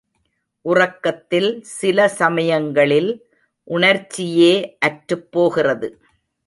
உறக்கத்தில் சில சமயங்களில் உணர்ச்சியே அற்றுப்போகிறது.